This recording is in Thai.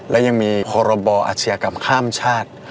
และยังมีพรบอาชญากรรมข้ามชาติ